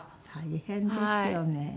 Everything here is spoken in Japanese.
大変ですよね。